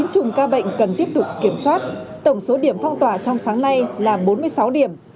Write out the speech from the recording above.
bốn chùm ca bệnh cần tiếp tục kiểm soát tổng số điểm phong tỏa trong sáng nay là bốn mươi sáu điểm